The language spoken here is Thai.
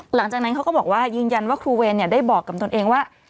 หลังจากนั้นเขาก็บอกว่ายืนยันว่าครูเวรได้บอกกับตนเองว่า